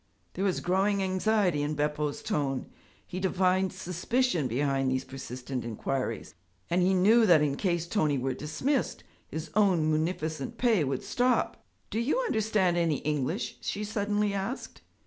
There was growing anxiety in Beppo's tone. He divined suspicion behind these persistent inquiries, and he knew that in case Tony were dismissed, his own munificent pay would stop. 'Do you understand any English?' she suddenly asked.